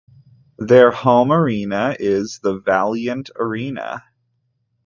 Their home arena is the Vaillant Arena.